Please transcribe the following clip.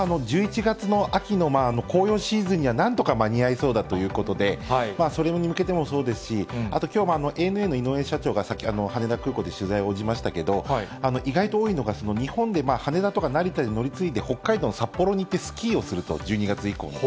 １１月の秋の紅葉シーズンには、なんとか間に合いそうだということで、それに向けてもそうですし、あときょうもＡＮＡの井上社長がさっき、羽田空港で取材応じましたけれども、意外と多いのが、日本で羽田とか成田で乗り継いで、北海道の札幌に行ってスキーをすると、１２月以降も。